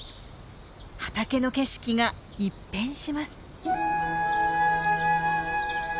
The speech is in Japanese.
畑の景色が一変します。